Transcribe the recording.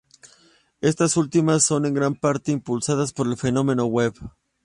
Estas últimas son en gran parte impulsadas por el fenómeno web.